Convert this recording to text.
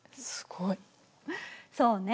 そうね。